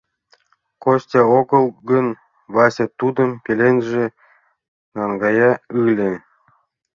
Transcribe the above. Костя огыл гын, Вася тудым пеленже наҥгая ыле.